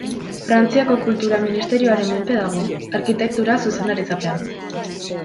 Frantziako Kultura Ministerioaren menpe dago, Arkitektura zuzendaritzapean.